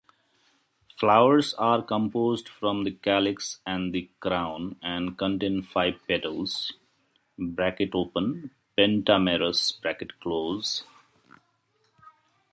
Flowers are composed from the calyx and the crown and contain five petals (pentamerous).